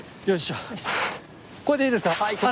これでいいですか？